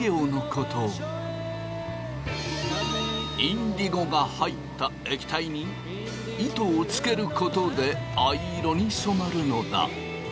インディゴが入った液体に糸をつけることで藍色に染まるのだ。